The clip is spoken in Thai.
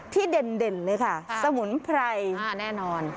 ที่เด่นเลยค่ะสมุนไพรอ่าแน่นอน